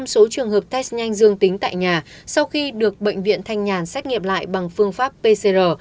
một mươi số trường hợp test nhanh dương tính tại nhà sau khi được bệnh viện thanh nhàn xét nghiệm lại bằng phương pháp pcr